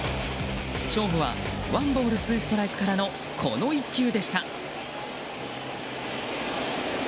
勝負はワンボールツーストライクからのこの１級でした。